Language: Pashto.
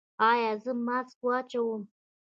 ایا زه ماسک واچوم؟